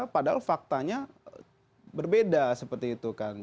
padahal faktanya berbeda seperti itu kan